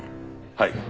はい。